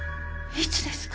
いつですか？